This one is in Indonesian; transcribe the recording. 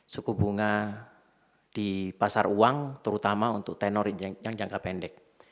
suku bunga di pasar uang terutama untuk tenor yang jangka pendek